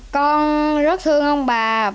con rất thương ông bà